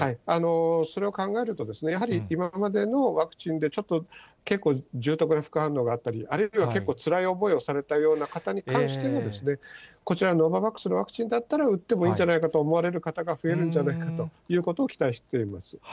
それを考えると、やはり今までのワクチンでちょっと結構、重篤な副反応があったり、あるいは、結構つらい思いをされたような方に関しては、こちら、ノババックスのワクチンだったら打ってもいいんじゃないかと思われる方が増えるんじゃないかということを期待しています。